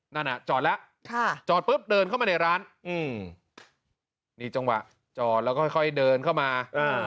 นั่นอ่ะจอดแล้วจอดปุ๊บเดินเข้ามาในร้านนี่จังหวะจอดแล้วก็ค่อยเดินเข้ามา